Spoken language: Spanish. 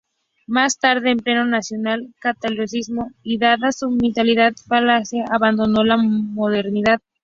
Más tarde, en pleno nacional-catolicismo y dada su militancia falangista abandonó la modernidad.